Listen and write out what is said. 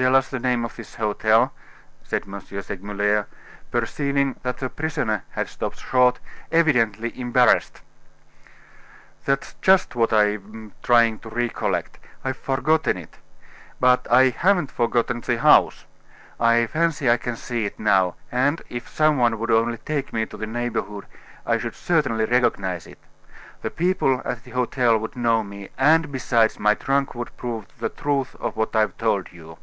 Tell us the name of this hotel," said M. Segmuller, perceiving that the prisoner had stopped short, evidently embarrassed. "That's just what I'm trying to recollect. I've forgotten it. But I haven't forgotten the house. I fancy I can see it now; and, if some one would only take me to the neighborhood, I should certainly recognize it. The people at the hotel would know me, and, besides, my trunk would prove the truth of what I've told you."